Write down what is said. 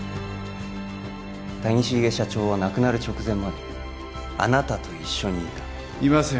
谷繁社長は亡くなる直前まであなたと一緒にいたいません